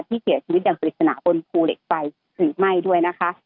ที่เขียนชีวิตอย่างพลิกสนาบลูกทูเล็กสไฟถือไม่ด้วยนะคะ